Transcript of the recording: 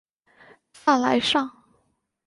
萨莱尚。